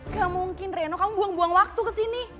gak mungkin reno kamu buang buang waktu kesini